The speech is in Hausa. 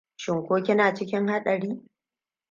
Shin ko kina cikin haɗari?